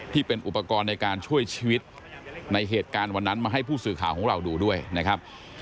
ที่เป็นอุปกรณ์ในการช่วยชีวิตในเหตุการณ์วันนั้นมาให้ผู้สื่อข่าวของเราดูด้วยนะครับ